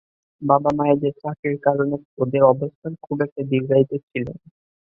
বাবা মায়েদের চাকরির কারণে ওদের অবস্থান খুব একটা দীর্ঘায়িত ছিল না।